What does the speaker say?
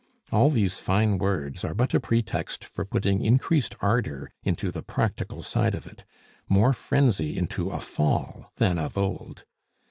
All these fine words are but a pretext for putting increased ardor into the practical side of it, more frenzy into a fall than of old.